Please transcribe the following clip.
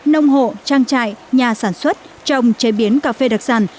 cà phê việt nam là một nhà sản xuất trong chế biến cà phê đặc sản